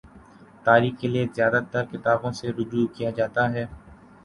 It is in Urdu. تاریخ کے لیے زیادہ ترکتابوں سے رجوع کیا جاتا ہے۔